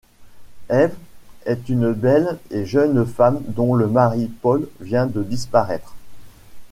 Eve est une belle et jeune femme dont le mari, Paul, vient de disparaître.